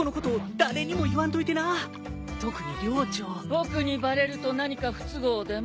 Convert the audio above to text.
・僕にバレると何か不都合でも？